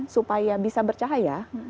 supaya bisa bercahaya